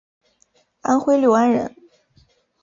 安徽六安人。